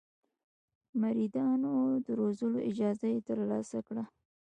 د مریدانو د روزلو اجازه یې ترلاسه کړه.